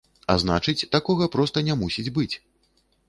А значыць, такога проста не мусіць быць.